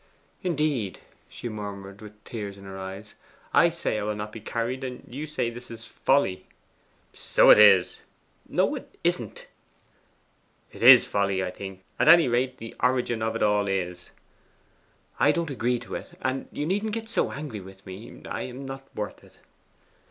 'Indeed!' she murmured, with tears in her eyes. 'I say I will not be carried, and you say this is folly!' 'So it is.' 'No, it isn't!' 'It is folly, I think. At any rate, the origin of it all is.' 'I don't agree to it. And you needn't get so angry with me; I am not worth it.